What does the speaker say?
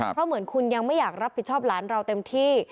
เพราะเหมือนคุณยังไม่อยากรับผิดชอบหลานเราเต็มที่